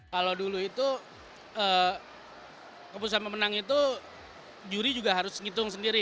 kalau dulu itu keputusan pemenang itu juri juga harus ngitung sendiri